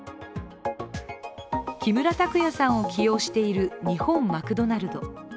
木村拓哉さんを起用している日本マクドナルド。